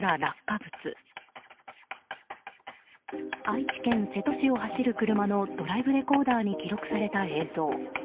愛知県瀬戸市を走る車のドライブレコーダーに記録された映像。